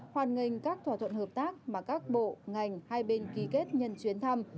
hoan nghênh các thỏa thuận hợp tác mà các bộ ngành hai bên ký kết nhân chuyển thăm